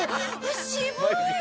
渋い！